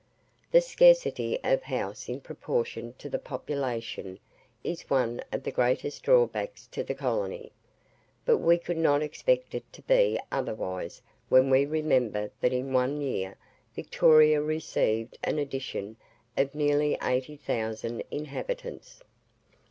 The scarcity of houses in proportion to the population, is one of the greatest drawbacks to the colony; but we could not expect it to be otherwise when we remember that in one year Victoria received an addition of nearly 80,000 inhabitants.